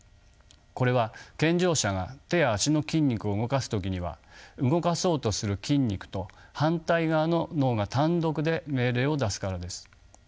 これは健常者が手や足の筋肉を動かす時には動かそうとする筋肉と反対側の脳が単独で命令を出すからです。